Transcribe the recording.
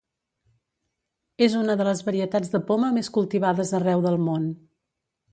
És una de les varietats de poma més cultivades arreu del món.